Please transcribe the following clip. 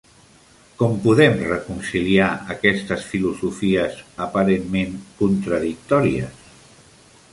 Com podem reconciliar aquestes filosofies aparentment contradictòries?